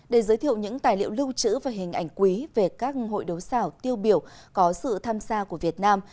để giới thiệu những tài liệu lưu trữ và hình ảnh quý về các hội đối xảo tiêu biểu có sự tham gia của việt nam